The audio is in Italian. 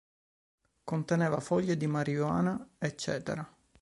Conteneva foglie di marijuana etc.